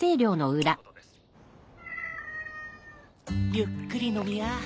ゆっくり飲みや。